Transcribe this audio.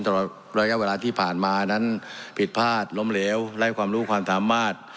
ตลอดระยะเวลาที่ผ่านมานั้นผิดพลาดล้มเหลวไร้ความรู้ความสามารถ